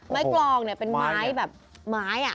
กลองเนี่ยเป็นไม้แบบไม้